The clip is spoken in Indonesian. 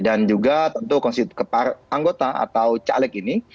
dan juga tentu anggota atau caleg ini